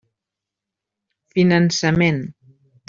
Finançament.